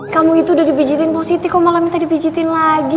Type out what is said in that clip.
kamu itu udah dibijitin positi kok malah minta dibijitin lagi